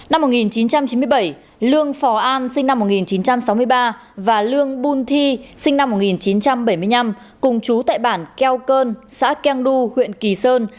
năm một nghìn chín trăm chín mươi bảy lương phò an sinh năm một nghìn chín trăm sáu mươi ba và lương bùn thi sinh năm một nghìn chín trăm bảy mươi năm cùng chú tại bản keo cơn xã keng du huyện kỳ sơn